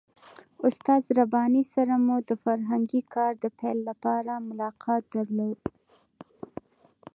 استاد رباني سره مو د فرهنګي کار د پیل لپاره ملاقات درلود.